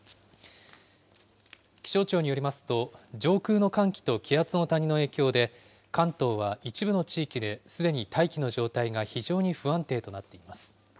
気象庁によりますと、上空の寒気と気圧の谷の影響で、関東は一部の地域ですでに大気の状態が非常に不安定となっています。